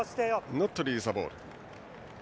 ノットリリースザボール。